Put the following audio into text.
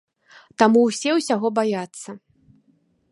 Таму ўсе ўсяго баяцца.